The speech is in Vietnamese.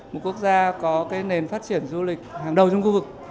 một quốc gia có cái nền phát triển du lịch hàng đầu trong khu vực